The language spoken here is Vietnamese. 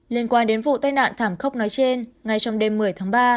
liên quan đến vụ tai nạn thảm khốc nói trên ngay trong đêm một mươi tháng ba